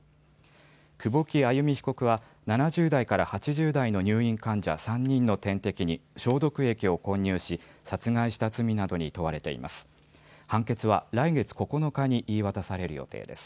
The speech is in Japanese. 久保木愛弓被告は７０代から８０代の入院患者３人の点滴に消毒液を混入し殺害した罪などに問われています。